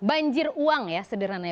banjir uang ya sederhana